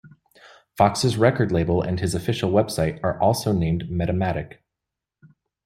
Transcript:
Foxx's record label and his official website are also named Metamatic.